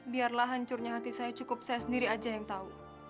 biarlah hancurnya hati saya cukup saya sendiri aja yang tahu